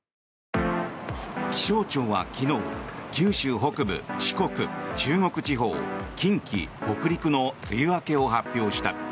気象庁は昨日、九州北部四国、中国地方、近畿、北陸の梅雨明けを発表した。